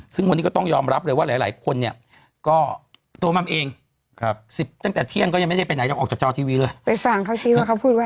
ซึ่งวันนี้ก็ต้องยอมรับเลยว่าหลายคนเนี่ยก็โตม่ำเองตั้งแต่เที่ยงก็ยังไม่ได้ไปไหนยังออกจากเจ้าทีวีเลย